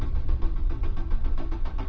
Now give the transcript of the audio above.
tahanus percaya pula